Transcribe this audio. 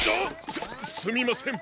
すっすみません